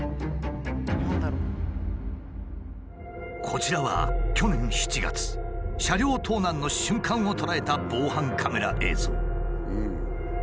こちらは去年７月車両盗難の瞬間を捉えた防犯カメラ映像。